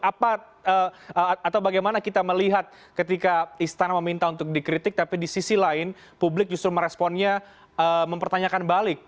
apa atau bagaimana kita melihat ketika istana meminta untuk dikritik tapi di sisi lain publik justru meresponnya mempertanyakan balik